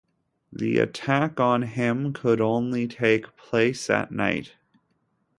The attack on him could only take place at night.